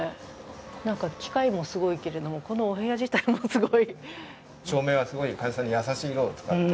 機械もすごいけれども、このお部屋自体もすごい。